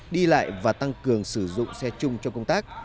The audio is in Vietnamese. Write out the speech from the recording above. đi lại và tăng cường sử dụng xe chung cho công tác